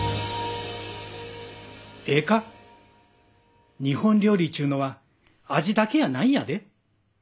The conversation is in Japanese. ええか日本料理っちゅうのは味だけやないんやで。